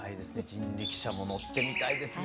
人力車も乗ってみたいですが。